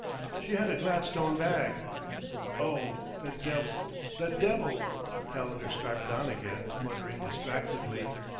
"She had a gladstone bag." "Oh, the devil, the devil!" Calendar started on again, muttering distractedly.